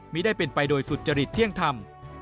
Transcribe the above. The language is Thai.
ไม่ได้เป็นไปโดยสุจริตเที่ยงธรรม